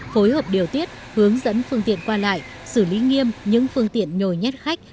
phối hợp điều tiết hướng dẫn phương tiện qua lại xử lý nghiêm những phương tiện nhồi nhét khách